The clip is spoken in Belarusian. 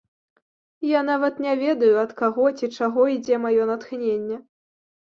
Я нават не ведаю, ад каго ці чаго ідзе маё натхненне.